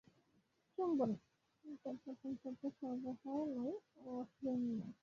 চুম্বন, আলিঙ্গনটা পর্যন্ত দোষাবহ নয়, অশ্লীল নয়।